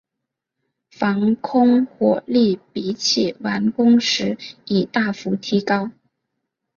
防空火力比起完工时已大幅提高。